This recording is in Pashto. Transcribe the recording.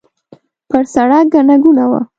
پر سړک ګڼه ګوڼه وه.